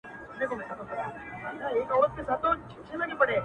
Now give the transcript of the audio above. نه منمه ستا بیان ګوره چي لا څه کیږي!.